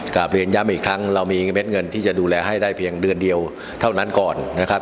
กลับเรียนย้ำอีกครั้งเรามีเม็ดเงินที่จะดูแลให้ได้เพียงเดือนเดียวเท่านั้นก่อนนะครับ